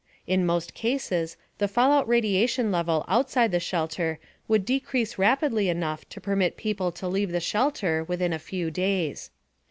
In most cases, the fallout radiation level outside the shelter would decrease rapidly enough to permit people to leave the shelter within a few days.